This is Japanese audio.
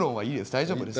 大丈夫です。